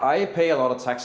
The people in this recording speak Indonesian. saya juga membayar banyak tax